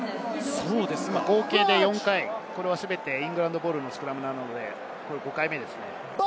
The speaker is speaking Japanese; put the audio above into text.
合計で４回全てイングランドボールのスクラムなので、これが５回目です。